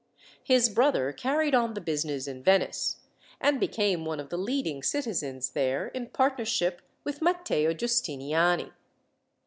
His brother carried on the business in Venice, and became one of the leading citizens there, in partnership with Matteo Giustiniani.